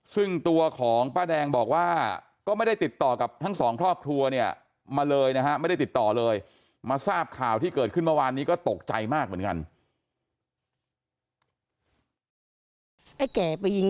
ซึ่งตัวของป้าแดงบอกว่าก็ไม่ได้ติดต่อกับทั้งสองครอบครัวเนี่ยมาเลยนะฮะไม่ได้ติดต่อเลยมาทราบข่าวที่เกิดขึ้นเมื่อวานนี้ก็ตกใจมากเหมือนกัน